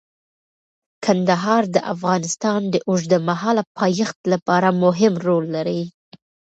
کندهار د افغانستان د اوږدمهاله پایښت لپاره مهم رول لري.